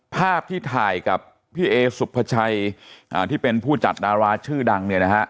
ภาพที่ถ่ายกับพี่เอสุภาชัยที่เป็นผู้จัดดาราชื่อดังเนี่ยนะฮะ